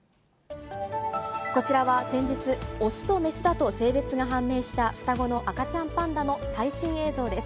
こちらは先日、雄と雌だと性別が判明した双子の赤ちゃんパンダの最新映像です。